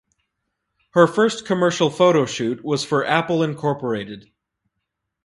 Her first commercial photo shoot was for Apple Inc.